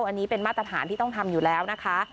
อันนี้เป็นมาตรฐานที่ต้องทำอยู่แล้วนะคะ